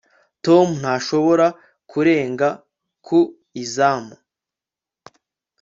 tom ntashobora kurenga ku izamu